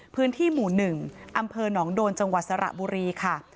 พื้นที่หมู่๑อำเภอหนองโดนจังหวัดสระบุรีค่ะ